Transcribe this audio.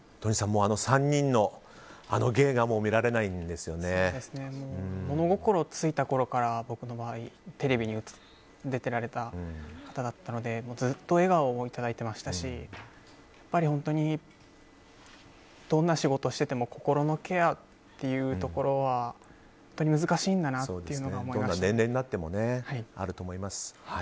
僕の場合、物心ついたころからテレビに出ておられた方だったのでずっと笑顔をいただいてましたしやっぱり本当にどんな仕事してても心のケアっていうところは難しいんだなっていうのをどんな年齢になってもあると思います。